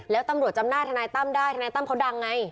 แล้วตำรวจจำหน้าทนายตั้มได้ทนายตั้มเขาดังไง